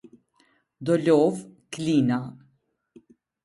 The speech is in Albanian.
Dolovë, Klina